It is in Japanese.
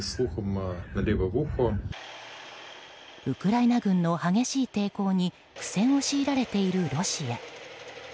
ウクライナ軍の激しい抵抗に苦戦を強いられているロシア。